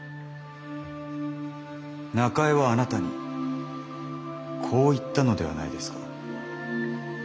中江はあなたにこう言ったのではないですか？